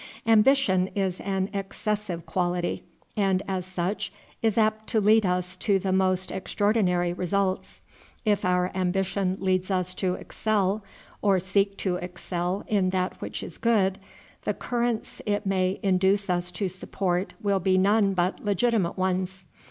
Ambition is an excessive quality, and, as such, is apt to lead us to the most extraordinary results. If our ambition leads us to excel or seek to excel in that which is good, the currents it may induce us to support will be none but legitimate ones.